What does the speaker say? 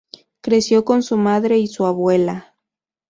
Creció con su madre y su abuela.